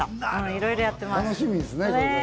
いろいろやっています。